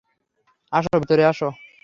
আসো, ভিতরে আসো।